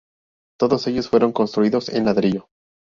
Todos ellos fueron construidos en ladrillo.